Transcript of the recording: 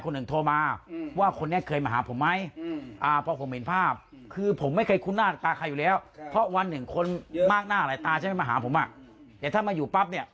หนึ่งคนมากหน้าหลายตาใช่ไหมมาหาผมอะเดี๋ยวถ้ามาอยู่ปั๊บเนี่ย